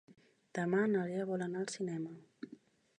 Demà na Lea vol anar al cinema.